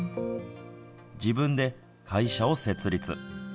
自分で会社を設立。